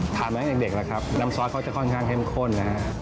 ผ่านมาให้เด็กแล้วครับนำซอสเขาจะค่อนข้างเข้มข้นนะครับ